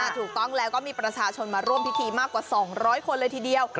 ถูกต้องแล้วก็มีประชาชนมาร่วมพิธีมากกว่า๒๐๐คนเลยทีเดียว